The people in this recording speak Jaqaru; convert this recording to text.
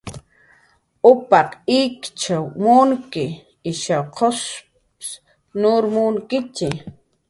Upaq ikichw munki, ishaw qusp nur munkitxi